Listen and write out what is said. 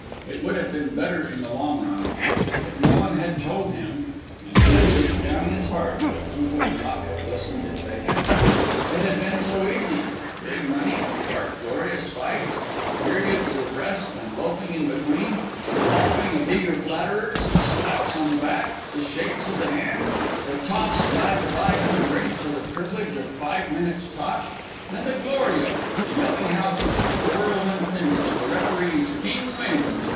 It would have been better in the long run. But no one had told him, and he knew, deep down in his heart, that he would not have listened if they had. It had been so easy. Big money sharp, glorious fights periods of rest and loafing in between a following of eager flatterers, the slaps on the back, the shakes of the hand, the toffs glad to buy him a drink for the privilege of five minutes' talk and the glory of it, the yelling houses, the whirlwind finish, the referee's "King wins!"